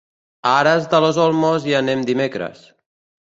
A Aras de los Olmos hi anem dimecres.